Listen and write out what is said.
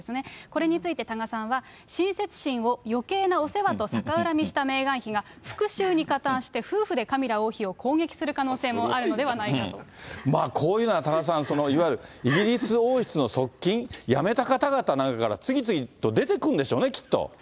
これについて多賀さんは、親切心をよけいなお世話と逆恨みしたメーガン妃が、復しゅうに加担して夫婦でカミラ王妃を攻撃する可能性もあるんでまあこういうのは多賀さん、いわゆるイギリス王室の側近、辞めた方々の中から、次々と出てくるんでしょうね、きっと。